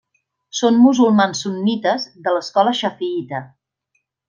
Són musulmans sunnites de l'escola xafiïta.